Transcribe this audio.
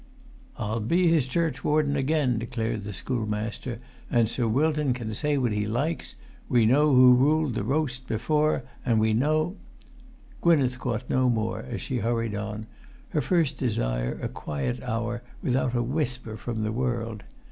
"I'll be his churchwarden again," declared the schoolmaster, "and Sir Wilton can say what he likes. We know who ruled the roast before, and we know——" Gwynneth caught no more as she hurried on, her first desire a quiet hour without a whisper from the world.